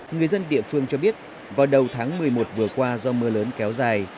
người dân địa phương cho biết vào đầu tháng một mươi một vừa qua do mưa lớn kéo dài